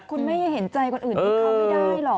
คุณไม่เห็นใจคนอื่นอีกครั้งไม่ได้หรอ